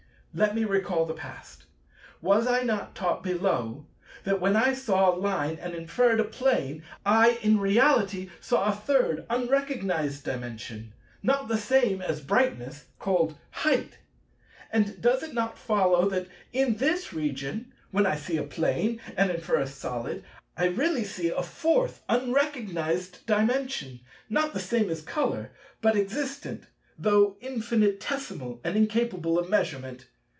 Let me recall the past. Was I not taught below that when I saw a Line and inferred a Plane, I in reality saw a Third unrecognized Dimension, not the same as brightness, called "height"? And does it not now follow that, in this region, when I see a Plane and infer a Solid, I really see a Fourth unrecognized Dimension, not the same as colour, but existent, though infinitesimal and incapable of measurement?